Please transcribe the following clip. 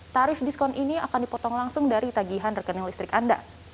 tarif diskon ini akan dipotong langsung dari tagihan rekening listrik anda